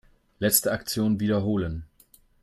Letzte Aktion wiederholen.